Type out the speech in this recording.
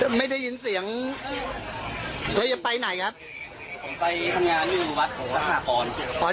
อ่าไม่ได้ยินเสียงแล้วจะไปไหนครับผมไปทางงานอยู่วัดสร้างก่อนอ๋อ